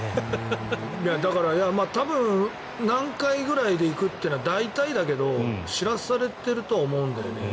だから、多分何回ぐらいでいくっていうのは大体だけど知らされていると思うんだよね。